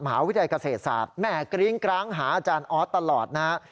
มหาวิทยาลัยเกษตรศาสตร์แม่กริ้งกร้างหาอาจารย์ออสตลอดนะฮะ